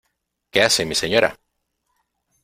¡ qué hace mi señora!